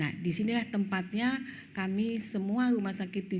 nah disinilah tempatnya kami semua rumah sakit